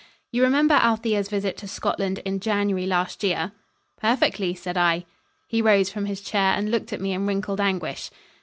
"You remember Althea's visit to Scotland in January last year?" "Perfectly," said I. He rose from his chair and looked at me in wrinkled anguish.